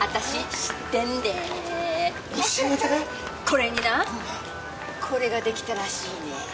コレになコレができたらしいね。